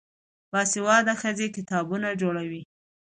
باسواده ښځې کتابتونونه جوړوي.